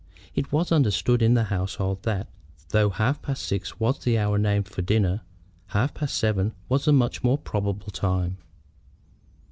It was understood in the household that, though half past six was the hour named for dinner, half past seven was a much more probable time.